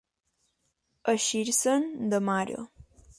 Eixir-se'n de mare.